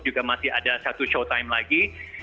juga masih ada satu show time lagi